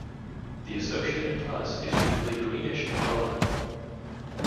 The associated pus is usually greenish in color.